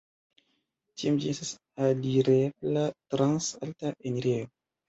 Tiam ĝi estas alirebla trans alta enirejo.